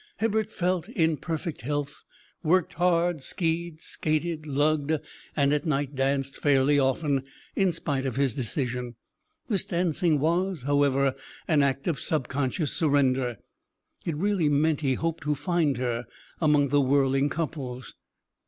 Hibbert felt in perfect health, worked hard, ski d, skated, luged, and at night danced fairly often in spite of his decision. This dancing was, however, an act of subconscious surrender; it really meant he hoped to find her among the whirling couples.